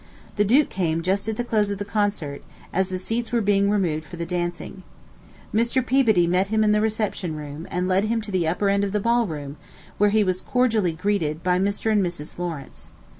The duke came just at the close of the concert, as the seats were being removed for the dancing. Mr. Peabody met him in the reception room, and led him to the upper end of the ball room, where he was cordially greeted by Mr. and Mrs. Lawrence.